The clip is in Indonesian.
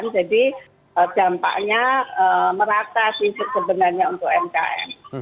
jadi dampaknya merata sih sebenarnya untuk umkm